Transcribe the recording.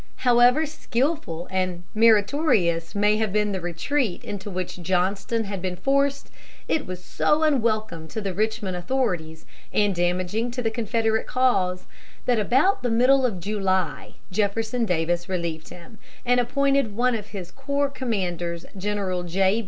However skilful and meritorious may have been the retreat into which Johnston had been forced, it was so unwelcome to the Richmond authorities, and damaging to the Confederate cause, that about the middle of July, Jefferson Davis relieved him, and appointed one of his corps commanders, General J.